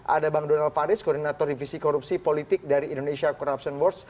ada bang donald faris koordinator divisi korupsi politik dari indonesia corruption wars